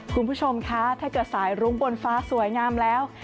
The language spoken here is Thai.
คุณผู้ชมคะถ้าเกิดสายรุ้งบนฟ้าสวยงามแล้ว